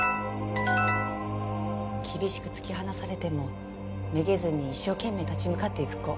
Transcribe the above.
厳しく突き放されてもめげずに一生懸命立ち向かっていく子。